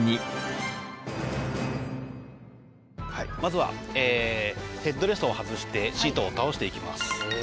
はいまずはヘッドレストを外してシートを倒していきます。